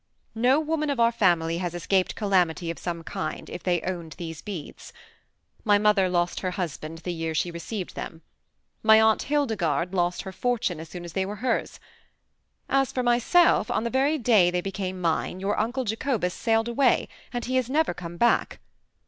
No woman of our family has escaped calamity of some kind, if they owned these beads. My mother lost her husband the year she received them. My Aunt Hildegarde lost her fortune as soon as they were hers. As for myself, on the very day they became mine your Uncle Jacobus sailed away, and he has never come back.